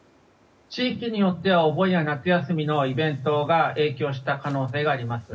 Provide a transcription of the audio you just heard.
地域によってはお盆や夏休みのイベントが影響した可能性があります。